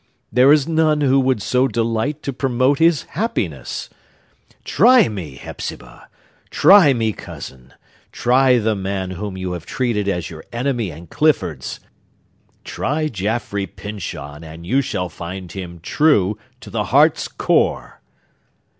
There is none who would so delight to promote his happiness! Try me, Hepzibah!—try me, Cousin!—try the man whom you have treated as your enemy and Clifford's!—try Jaffrey Pyncheon, and you shall find him true, to the heart's core!"